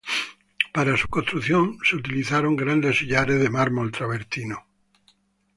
Para su construcción de utilizaron grandes sillares de mármol travertino.